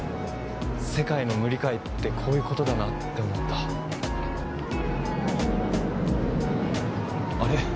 世界の無理解ってこういうことだなって思ったあれ？